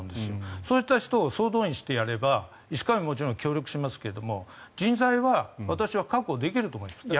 そういう人たちを総動員して医師会ももちろん協力しますけど人材は私は確保できると思います。